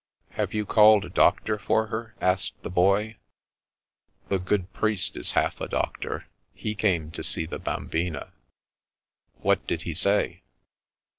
" Have you called a doctor for her?" asked the Boy. " The good priest is half a doctor. He came to see the bambina/^ "What did he say?"